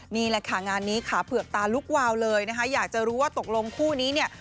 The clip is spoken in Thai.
นี่แหละค่ะงานนี้ขาเผือกตาลุกวาวเลยนะคะอยากจะรู้ว่าตกลงคู่นี้เนี่ย